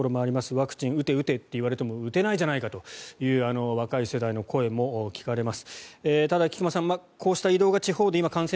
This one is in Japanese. ワクチン打て打てといわれても打てないじゃないかという若い世代の声も聞かれます。